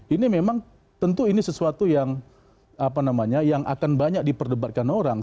ini memang tentu ini sesuatu yang apa namanya yang akan banyak diperdebatkan orang